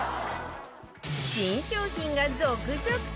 新商品が続々登場！